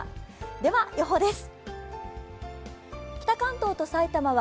では、予報です。